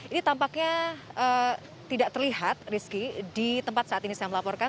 ini tampaknya tidak terlihat rizky di tempat saat ini saya melaporkan